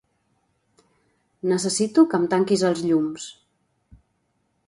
Necessito que em tanquis els llums.